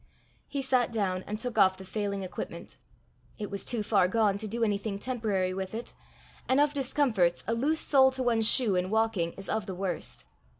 He sat down and took off the failing equipment. It was too far gone to do anything temporary with it; and of discomforts a loose sole to one's shoe in walking is of the worst.